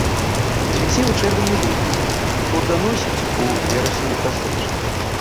Цвіце ў чэрвені-ліпені, плоданасіць у верасні-кастрычніку.